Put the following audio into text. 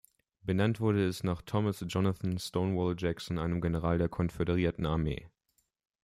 Benannt wurde es nach Thomas Jonathan "Stonewall" Jackson, einem General der Konföderierten Armee.